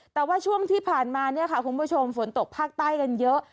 แต่ว่าช่วงที่ผ่านมาเนี่ยค่ะคุณผู้ชมฝนตกภาคใต้กันเยอะ